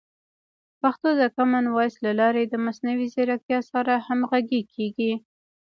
پښتو د کامن وایس له لارې د مصنوعي ځیرکتیا سره همغږي کیږي.